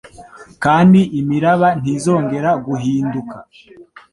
kandi imiraba ntizongera guhinduka